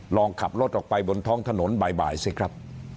ลองขับรถออกไปบนท้องถนนบ่ายสิครับ